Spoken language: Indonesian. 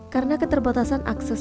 karena keterbatasan akses